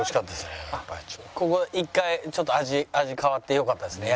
ここ一回ちょっと味変わってよかったですね。